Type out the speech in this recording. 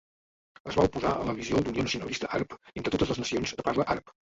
Es va oposar a la visió d'unió nacionalista àrab entre totes les nacions de parla àrab.